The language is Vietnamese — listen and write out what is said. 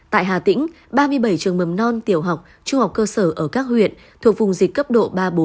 tại hà tĩnh ba mươi bảy trường mầm non tiểu học trung học cơ sở ở các huyện thuộc vùng dịch cấp độ ba bốn